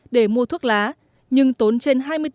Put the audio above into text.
để mua thuốc lá nhưng tốn trên